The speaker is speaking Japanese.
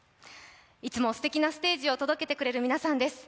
いつもすてきなステージを届けてくれる皆さんです。